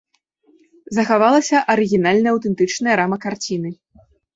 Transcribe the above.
Захавалася арыгінальная аўтэнтычная рама карціны.